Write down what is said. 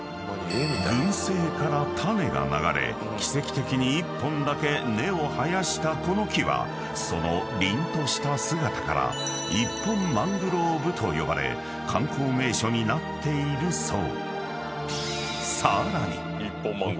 ［群生から種が流れ奇跡的に１本だけ根を生やしたこの木はそのりんとした姿から一本マングローブと呼ばれ観光名所になっているそう］